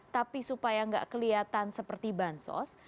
tapi supaya nggak kelihatan seperti bansos